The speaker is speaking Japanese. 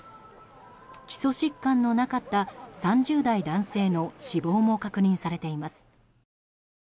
基礎疾患のなかった３０代男性の死亡も確認されています。